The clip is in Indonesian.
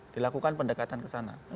dilakukan pendekatan ke sana